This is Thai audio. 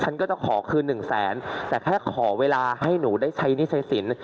ฉันก็จะขอคืน๑๐๐๐๐๐คแค่ขอเวลาให้ผมได้ใช้นิใชตรีสิน